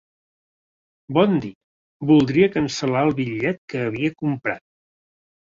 Bon dia, voldria cancel·lar el bitllet que havia comprat.